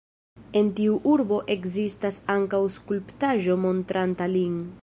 En tiu urbo ekzistas ankaŭ skulptaĵo montranta lin.